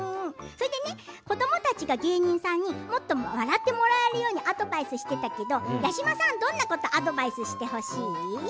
子どもたちが芸人さんにもっと笑ってもらえるようにアドバイスしていたけど八嶋さんは、どんなことアドバイスしてほしい？